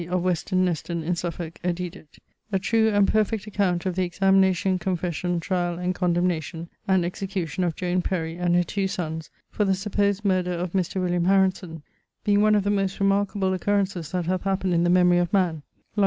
of Weston neston in Suffolk, edidit[BR] 'A true and perfect account of the examination confession tryall and condemnation, and execution of Joan Perry and her two sonnes for the supposed murther of Mr. William Harrison, being one of the most remarkable occurrences that hath happened in the memory of man': Lond.